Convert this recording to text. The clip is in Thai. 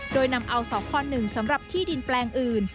โดยนำเอาสค๑สำหรับที่ดินแปลงอื่น